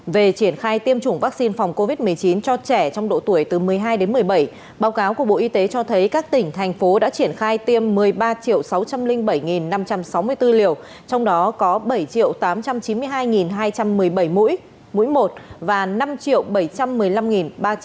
về triển khai tiêm chủng vaccine phòng covid một mươi chín cho trẻ trong độ tuổi từ một mươi hai đến một mươi bảy báo cáo của bộ y tế cho thấy các tỉnh thành phố đã triển khai tiêm một mươi ba sáu trăm linh bảy năm trăm sáu mươi bốn liều trong đó có bảy tám trăm chín mươi hai hai trăm một mươi bảy mũi mũi một và năm bảy trăm một mươi năm ba trăm linh